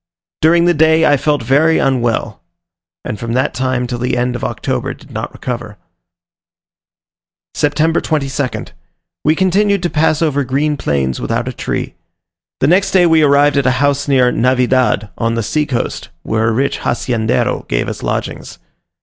During the day I felt very unwell, and from that time till the end of October did not recover. September 22nd. We continued to pass over green plains without a tree. The next day we arrived at a house near Navedad, on the sea coast, where a rich Haciendero gave us lodgings.